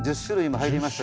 １０種類。